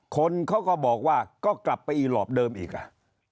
คนเขาก็บอกว่าก็กลับไปอีหลอปเดิมอีกอ่ะ